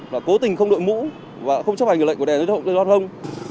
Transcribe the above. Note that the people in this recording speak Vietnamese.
và cố tình không đổi mũ và không chấp hành về lệnh của đèn luật lông